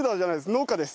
農家です